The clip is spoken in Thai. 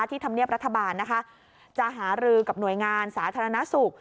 ธรรมเนียบรัฐบาลนะคะจะหารือกับหน่วยงานสาธารณสุข